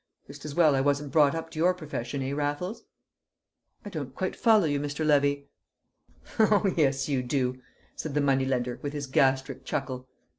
Just as well I wasn't brought up to your profession, eh, Raffles?" "I don't quite follow you, Mr. Levy." "Oh yes you do!" said the money lender, with his gastric chuckle.